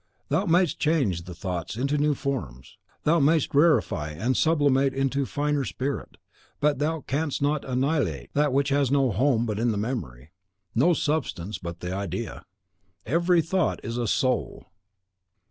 Thou mayst change the thoughts into new forms; thou mayst rarefy and sublimate it into a finer spirit, but thou canst not annihilate that which has no home but in the memory, no substance but the idea. EVERY THOUGHT IS A SOUL!